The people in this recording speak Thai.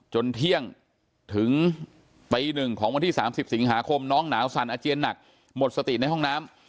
เที่ยงถึงตีหนึ่งของวันที่๓๐สิงหาคมน้องหนาวสั่นอาเจียนหนักหมดสติในห้องน้ำ